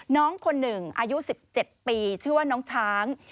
น้องคนหนึ่งอายุ๑๗ปีชื่อว่าน้องช้าง